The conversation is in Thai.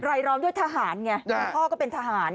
ร้องด้วยทหารไงพ่อก็เป็นทหาร